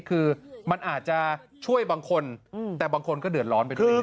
คือมันอาจจะช่วยบางคนแต่บางคนก็เดือดร้อนไปด้วย